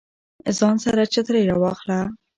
ځان سره چترۍ راواخله